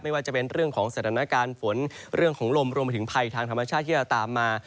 ว่าจะเป็นเรื่องของสถานการณ์ฝนเรื่องของลมรวมไปถึงภัยทางธรรมชาติที่จะตามมา